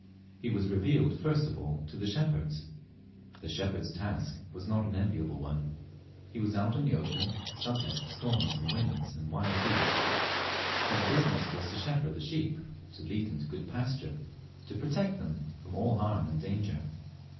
He was revealed first of all to the shepherds. The shepherd's task was not an enviable one. He was out in the open, subject to storms and winds and wild beasts. His business was to shepherd the sheep, to lead them to good pasture, to protect them from all harm and danger.